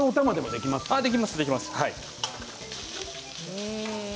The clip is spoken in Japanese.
できます、できます。